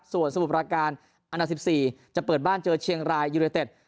ส่วนสมุทรประการอันดับ๑๔จะเปิดบ้านเจอเชียงรายยูเนเต็ด